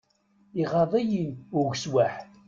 Iɣaḍ-iyi ugeswaḥ!